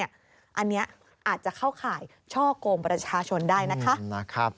อันนี้อาจจะเข้าข่ายช่อกงประชาชนได้นะคะ